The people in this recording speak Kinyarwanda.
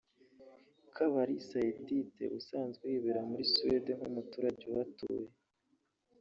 Kabarisa Edith usanzwe yibera muri Suede nk’umuturage uhatuye